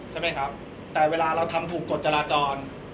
ใช่ไหมครับแต่เวลาเราทำถูกกฎจราจร